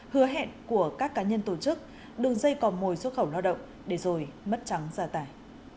hứa hẹn của các cá nhân tổ chức đường dây cò mồi xuất khẩu lao động để rồi mất trắng gia tài